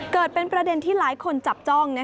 เกิดเป็นประเด็นที่หลายคนจับจ้อง